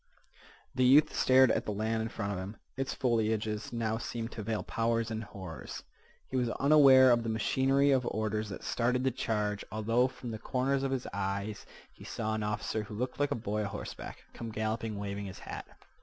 The youth stared at the land in front of him. Its foliages now seemed to veil powers and horrors. He was unaware of the machinery of orders that started the charge, although from the corners of his eyes he saw an officer, who looked like a boy a horseback, come galloping, waving his hat.